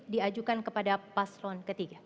diajukan kepada paslon ketiga